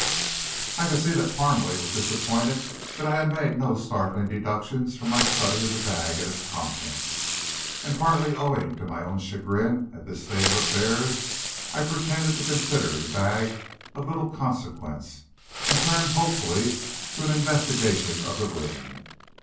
I could see that Parmalee was disappointed that I had made no startling deductions from my study of the bag and its contents, and, partly owing to my own chagrin at this state of affairs, I pretended to consider the bag of little consequence, and turned hopefully to an investigation of the room.